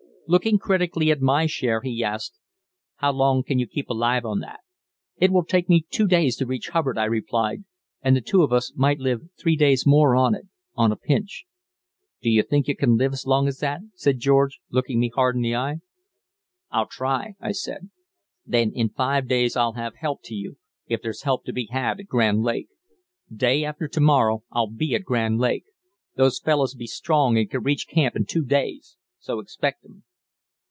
Looking critically at my share, he asked: "How long can you keep alive on that?" "It will take me two days to reach Hubbard," I replied, "and the two of us might live three days more on it on a pinch." "Do you think you can live as long as that?" said George, looking me hard in the eye. "I'll try," I said. "Then in five days I'll have help to you, if there's help to be had at Grand Lake. Day after to morrow I'll be at Grand Lake. Those fellus'll be strong and can reach camp in two days, so expect 'em."